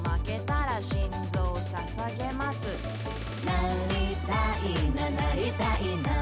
「なりたいななりたいな！」